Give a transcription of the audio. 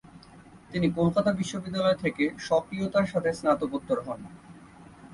তিনি কলকাতা বিশ্ববিদ্যালয় থেকে স্বকীয়তার সাথে স্নাতকোত্তর হন।